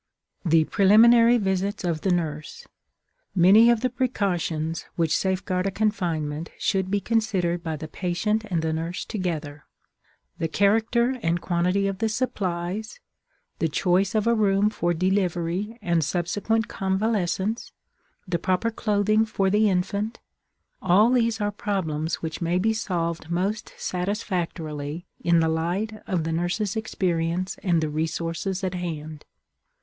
THE PRELIMINARY VISITS OF THE NURSE. Many of the precautions which safeguard a confinement should be considered by the patient and the nurse together. The character and quantity of the supplies, the choice of a room for delivery and subsequent convalescence, the proper clothing for the infant all these are problems which may be solved most satisfactorily in the light of the nurse's experience and the resources at hand.